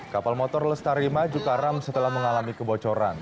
kapal motor lestari maju karam setelah mengalami kebocoran